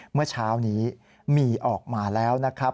เมื่อเช้านี้มีออกมาแล้วนะครับ